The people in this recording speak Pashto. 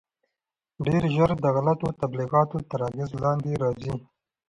ډېر ژر د غلطو تبلیغاتو تر اغېز لاندې راځي.